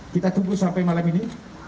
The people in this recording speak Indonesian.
kita tunggu sampai malam ini